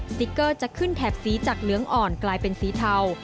ติ๊กเกอร์จะขึ้นแถบสีจากเหลืองอ่อนกลายเป็นสีเทา